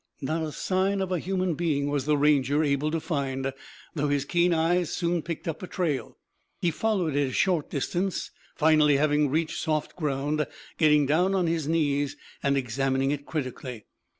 Not a sign of a human being was the Ranger able to find, though his keen eyes soon picked up the trail. He followed it a short distance, finally having reached soft ground, getting down on his knees and examining it critically.